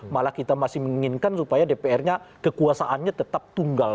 malah kita masih menginginkan supaya dpr nya kekuasaannya tetap tunggal